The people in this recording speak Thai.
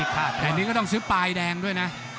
แต่นี่ก็ต้องซื้อปลายแดงด้วยนะ